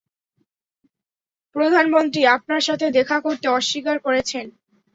প্রধানমন্ত্রী আপনার সাথে দেখা করতে অস্বীকার করেছেন।